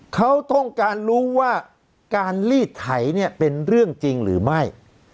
เขาต้องการรู้ว่าการลีดไถเนี่ยเป็นเรื่องจริงหรือไม่